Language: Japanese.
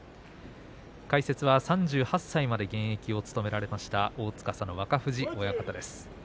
解説は３８歳まで現役を務められました皇司の若藤親方です。